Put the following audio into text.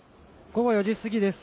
午後４時過ぎです。